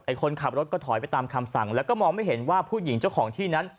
คนขับรถก็ถอยไปตามคำสั่งแล้วก็มองไม่เห็นว่าผู้หญิงเจ้าของที่นั้น